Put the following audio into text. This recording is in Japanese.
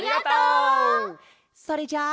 それじゃあ。